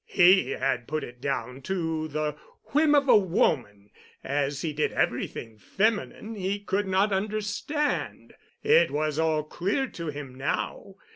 He had put it down to the whim of a woman—as he did everything feminine he could not understand. It was all clear to him now.